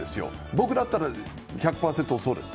僕だったら１００％そうです。